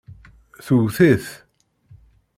Twet-it.